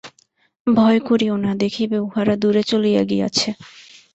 ভয় করিও না, দেখিবে উহারা দূরে চলিয়া গিয়াছে।